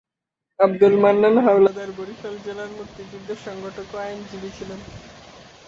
আবদুল মান্নান হাওলাদার বরিশাল জেলার মুক্তিযুদ্ধের সংগঠক ও আইনজীবী ছিলেন।